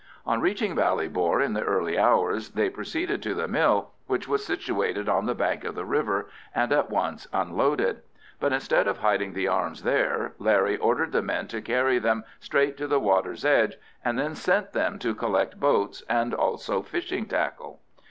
On reaching Ballybor in the early hours they proceeded to the mill, which was situated on the bank of the river, and at once unloaded; but instead of hiding the arms there Larry ordered the men to carry them straight to the water's edge, and then sent them to collect boats and also fishing tackle.